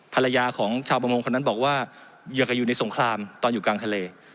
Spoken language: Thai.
ภรรยาของชาวประมงคนนั้นบอกว่าอยู่กับอยู่ในสงครามตอนอยู่กลางทะเล